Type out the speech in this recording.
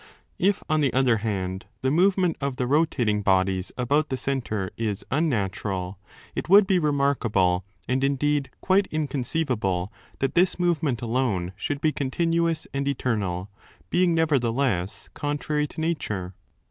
If, on the other hand, the movement of the rotating bodies about the centre is unnatural, it would be remarkable and indeed quite in conceivable that this movement alone should be continuous and eternal, being nevertheless contrary to nature.